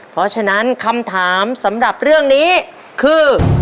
เพราะฉะนั้นคำถามสำหรับเรื่องนี้คือ